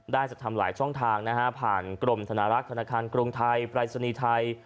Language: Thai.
จัดทำหลายช่องทางนะฮะผ่านกรมธนารักษ์ธนาคารกรุงไทยปรายศนีย์ไทย